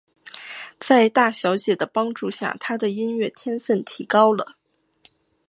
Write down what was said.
在大小姐的帮助下他的音乐天份提高了。